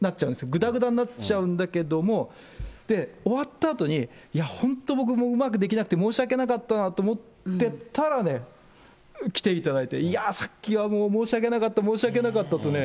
ぐだぐだになっちゃうんだけれども、終わったあとに、いや、本当に僕、うまくできなくて申し訳なかったなと思ってたらね、来ていただいて、いやー、さっきは申し訳なかった、申し訳なかったとね。